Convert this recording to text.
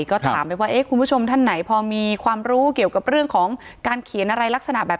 ก็ถามไปว่าคุณผู้ชมท่านไหนพอมีความรู้เกี่ยวกับเรื่องของการเขียนอะไรลักษณะแบบ